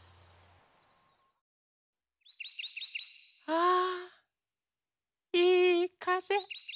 あいいかぜ。